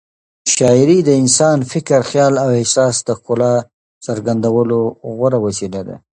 شاعري د انساني فکر، خیال او احساس د ښکلا څرګندولو غوره وسیله ده.